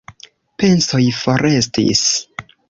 Pensoj forestis.